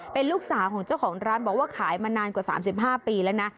เป็นลูกสาวของเจ้าของร้านบอกว่าขายมานานกว่า๓๕ปีแล้วนะ